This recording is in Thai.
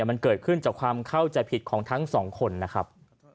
มันเกิดขึ้นจากความเข้าใจผิดของทั้งสองคนนะครับ